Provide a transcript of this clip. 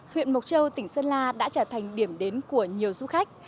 huyện mộc châu tỉnh sơn la đã trở thành điểm đến của nhiều du khách